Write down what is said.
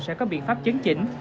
sẽ có biện pháp chấn chỉnh